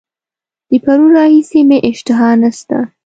د پرون راهیسي مي اشتها نسته.